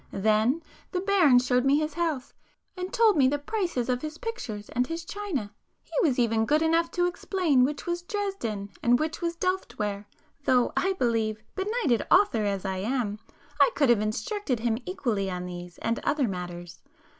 Then the baron showed me his house, and told me the prices of his pictures and his china,—he was even good enough to explain which was Dresden and which was Delft ware, though I believe, benighted author as I am, I could have instructed him equally on these, and other matters.